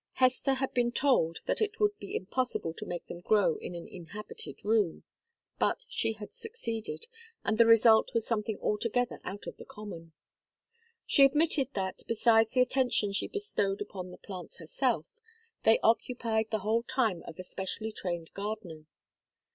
Hester had been told that it would be impossible to make them grow in an inhabited room, but she had succeeded, and the result was something altogether out of the common. She admitted that, besides the attention she bestowed upon the plants herself, they occupied the whole time of a specially trained gardener.